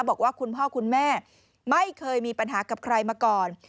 บอกว่าคุณพ่อคุณแม่ไม่เคยมีปัญหากับใครมาก่อน